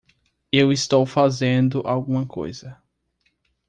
Eu estou fazendo alguma coisa.